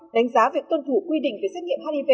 đánh giá việc tuân thủ quy định về xét nghiệm hiv